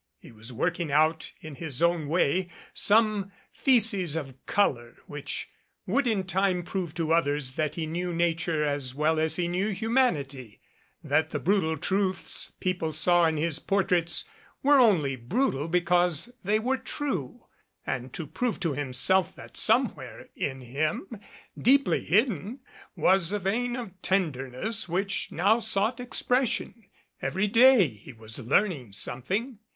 He was working out in his own way some themes of color which would in time prove to others that he knew Nature as well as he knew humanity; that the brutal truths people 30 MAROONED saw in his portraits were only brutal because they were true; and to prove to himself that somewhere in him, deeply hidden, was a vein of tenderness which now sought expression. Every day he was learning something.